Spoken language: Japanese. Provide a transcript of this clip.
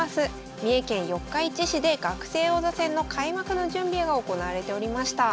三重県四日市市で学生王座戦の開幕の準備が行われておりました。